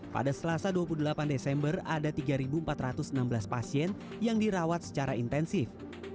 pada selasa dua puluh delapan desember ada tiga empat ratus enam belas pasien yang dirawat secara intensif